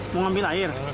mau ngambil air